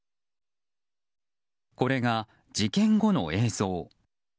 これが事件後の映像。